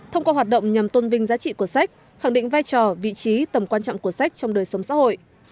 thông qua hoạt động nhằm tôn vinh giá trị của sách khẳng định vai trò vị trí tầm quan trọng của sách trong đời sống xã hội